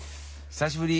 久しぶり。